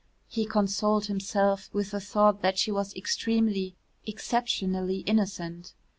He consoled himself with the thought that she was extremely, exceptionally innocent.